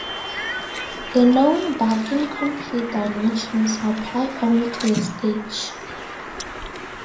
The known but incomplete dimensions apply only to the stage.